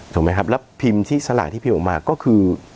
ถูกไหมครับแล้วพิมพ์ที่สลากที่พิมพ์ออกมาก็คือ